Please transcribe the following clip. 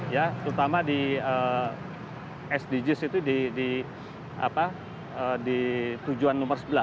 ya terutama di sdgs itu di tujuan nomor sebelas